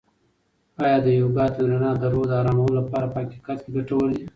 آیا د یوګا تمرینات د روح د ارامولو لپاره په حقیقت کې ګټور دي؟